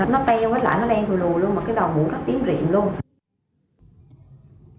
nó beo hết lại nó đen thùi lùi luôn mà cái đầu mũi nó tiếng rịm luôn